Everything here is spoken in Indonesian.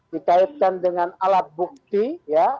dikaitkan dengan alat bukti ya